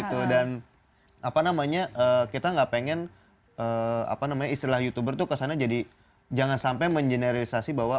gitu dan apa namanya kita gak pengen apa namanya istilah youtuber tuh kesana jadi jangan sampai mengeneralisasi bahwa